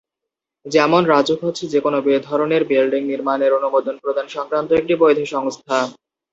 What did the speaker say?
যেমনঃ রাজউক হচ্ছে যেকোনো ধরনের বিল্ডিং নির্মাণের অনুমোদন প্রদান সংক্রান্ত একটি বৈধ সংস্থা।